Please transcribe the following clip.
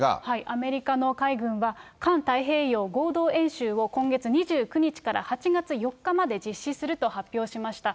アメリカの海軍は、環太平洋合同演習を今月２９日から８月４日まで実施すると発表しました。